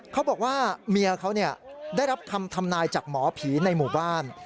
เขาบอกว่าเมียเขาได้รับคำทำนายจากหมอผีในหมู่บ้าน